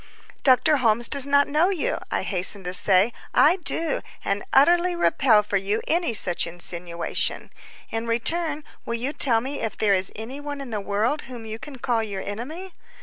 "Dr. Holmes does not know you," I hastened to say; "I do, and utterly repel for you any such insinuation. In return, will you tell me if there is any one in the world whom you can call your enemy?